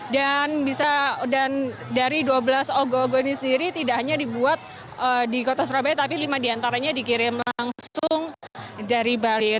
dan dari dua belas ogo ogo ini sendiri tidak hanya dibuat di kota surabaya tapi lima diantaranya dikirim langsung dari bali